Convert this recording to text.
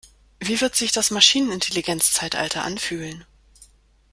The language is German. Wie wird sich das Maschinenintelligenzzeitalter anfühlen?